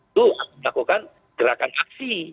itu melakukan gerakan aksi